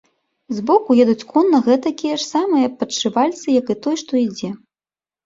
Збоку едуць конна гэтакія ж самыя падшывальцы як і той, што ідзе.